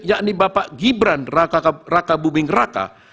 yakni bapak gibran raka buming raka